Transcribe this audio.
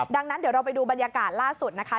ดังนั้นเดี๋ยวเราไปดูบรรยากาศล่าสุดนะคะ